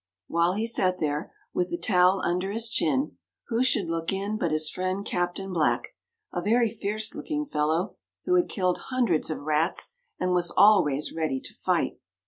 While he sat there, with the towel under his chin, who should look in, but his friend Captain Black, a very fierce looking fellow, who had killed hundreds of rats, and was always ready to fight.